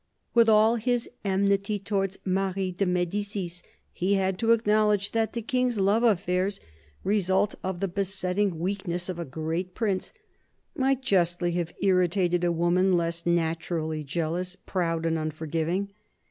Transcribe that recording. With all his enmity towards Marie de Medicis, he had to acknowledge that the King's love affairs, result of the besetting weakness of a great prince, might justly have irritated a woman less naturally jealous, proud and unforgiving.